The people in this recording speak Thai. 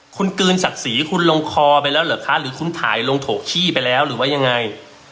คุณกลืนศักดิ์ศรีคุณลงคอไปแล้วเหรอคะหรือคุณถ่ายลงโถขี้ไปแล้วหรือว่ายังไง